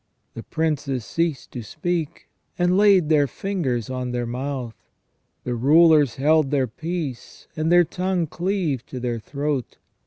The princes ceased to speak, and laid their fingers on their mouth. The rulers held their peace, and their tongue cleaved to their throat.